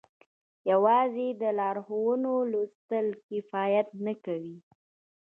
يوازې د لارښوونو لوستل کفايت نه کوي.